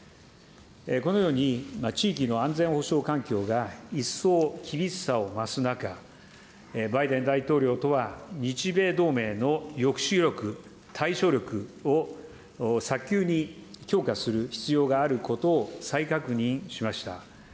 このように、地域の安全保障環境が一層厳しさを増す中、バイデン大統領とは日米同盟の抑止力、対処力を早急に強化する必要があることを再確認しました。